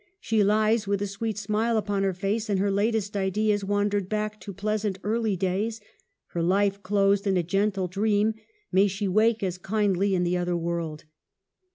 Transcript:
' She lies with a sweet smile upon her face, and her latest ideas wandered back to pleasant early days. Her life closed in a gentle dream — may she wake as kindly in the other world